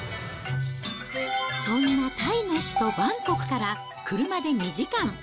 そんなタイの首都バンコクから車で２時間。